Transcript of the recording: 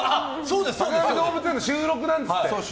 「坂上どうぶつ園」の収録なんですって。